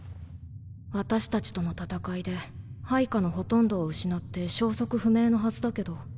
私たちとの戦いで配下のほとんどを失って消息不明のはずだけど。